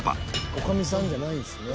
女将さんじゃないんですね。